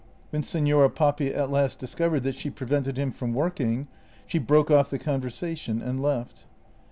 When Signora Papi at last discovered that she prevented him from working, she broke off the conversation and left.